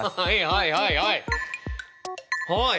はいはいはいはい。